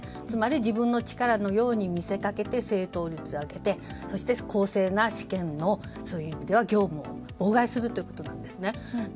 つまり、自分の力のように見せかけて正答率を上げて、公正な試験のそういう意味では業務を妨害するということです。